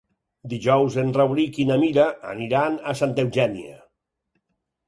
Dijous en Rauric i na Mira aniran a Santa Eugènia.